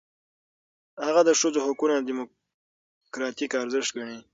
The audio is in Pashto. هغه د ښځو حقونه دموکراتیک ارزښت ګڼي.